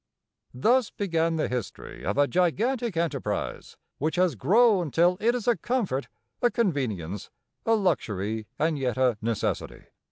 Thus began the history of a gigantic enterprise which has grown till it is a comfort, a convenience, a luxury, and yet a necessity.